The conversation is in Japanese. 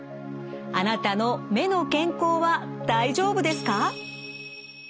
あなたの目の健康は大丈夫ですか？